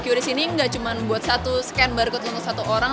qris ini gak cuma buat satu scan barcode untuk satu orang